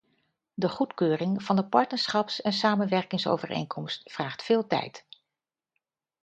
De goedkeuring van de partnerschaps- en samenwerkingsovereenkomst vraagt veel tijd.